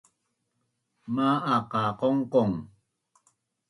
Ma’aq qa qongqong?